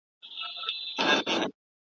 هم پر ستړي ځان لرګي یې اورېدله `